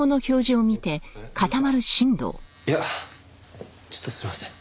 いやちょっとすみません。